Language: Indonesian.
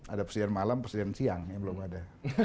ada presiden malam presiden siang yang belum ada